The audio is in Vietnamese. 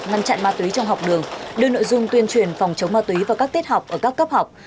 ngăn chặn ma túy trong học đường đưa nội dung tuyên truyền phòng chống ma túy vào các tiết học ở các cấp học